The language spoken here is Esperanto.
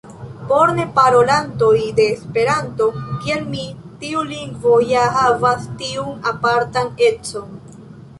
Por neparolantoj de Esperanto, kiel mi, tiu lingvo ja havas tiun apartan econ.